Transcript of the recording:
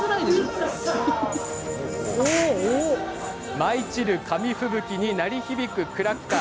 舞い散る紙吹雪鳴り響くクラッカー